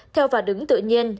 theo và đứng tự nhiên